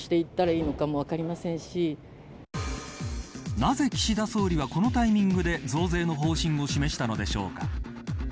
なぜ岸田総理はこのタイミングで増税の方針を示したのでしょうか。